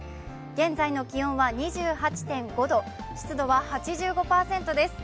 現在の気温は２８．５度、湿度は８５％です。